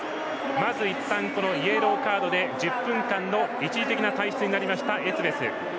まずいったんイエローカードで１０分間の一時的な退出になったエツベス。